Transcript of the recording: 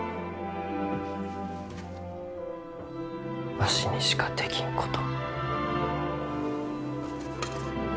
わしにしかできんこと。